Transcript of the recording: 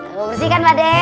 bersih kan pade